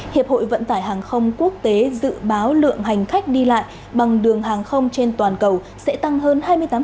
hiệp hội vận tải hàng không quốc tế dự báo lượng hành khách đi lại bằng đường hàng không trên toàn cầu sẽ tăng hơn hai mươi tám